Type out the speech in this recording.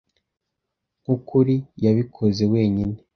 Nkukuri, yabikoze wenyine.